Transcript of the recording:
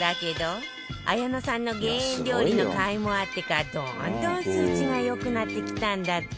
だけど綾菜さんの減塩料理のかいもあってかどんどん数値が良くなってきたんだって